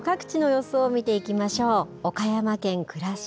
それでは今の各地の予想を見ていきましょう。